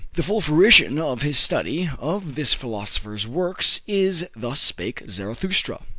The full fruition of his study of this philosopher's works is "Thus Spake Zarathustra."